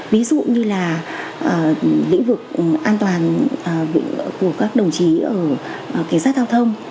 ví dụ như là lĩnh vực an toàn của các đồng chí ở cảnh sát giao thông